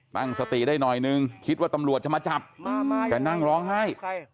ตั้งสติได้หน่อยนึงคิดว่าตำรวจจะมาจับแกนั่งร้องไห้